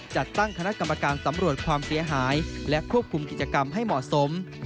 จัดตั้งคณะกรรมการสำรวจความเสียหายและควบคุมกิจกรรมให้เหมาะสม